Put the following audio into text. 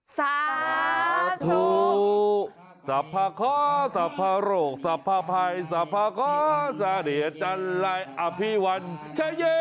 สาภาธุสาภาคอร์สาภาโรคสาภาภัยสาภาคอร์สาเหรียจันรายอภิวัณฑ์ชะเย้เฮ้เฮ้